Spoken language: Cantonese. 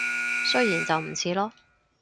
雖然就唔似囉